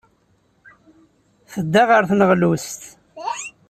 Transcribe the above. Tedda ɣer tneɣlust.